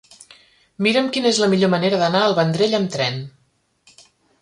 Mira'm quina és la millor manera d'anar al Vendrell amb tren.